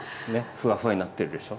ふわふわになってるでしょ。